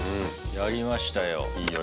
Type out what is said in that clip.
やりましたよ。